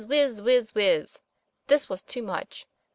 whiz! whiz! whiz! This was too much.